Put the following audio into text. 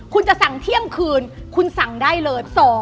คุณจะสั่งเที่ยงคืนคุณสั่งได้เลย